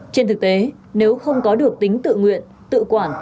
trên thực tế nếu không có được tính tự nguyện tự quản